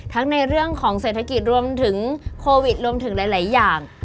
ในเรื่องของเศรษฐกิจรวมถึงโควิดรวมถึงหลายอย่าง